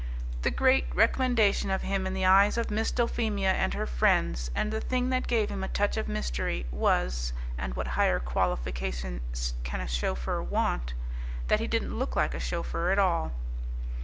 The great recommendation of him in the eyes of Miss Dulphemia and her friends, and the thing that gave him a touch of mystery was and what higher qualification can a chauffeur want? that he didn't look like a chauffeur at all.